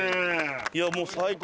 いやもう最高！